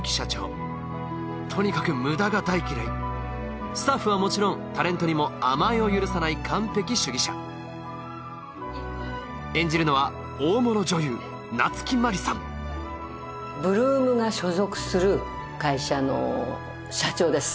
とにかくムダが大嫌いスタッフはもちろんタレントにも甘えを許さない完璧主義者演じるのは大物女優８ＬＯＯＭが所属する会社の社長です